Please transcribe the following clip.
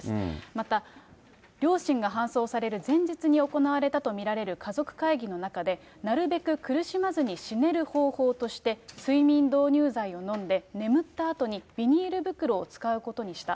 また、両親が搬送される前日に行われたと見られる家族会議の中で、なるべく苦しまずに死ねる方法として、睡眠導入剤を飲んで、眠ったあとにビニール袋を使うことにした。